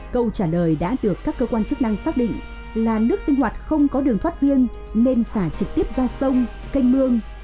câu trả lời đã được các cơ quan chức năng xác định là nước sinh hoạt không có đường thoát riêng nên xả trực tiếp ra sông canh mương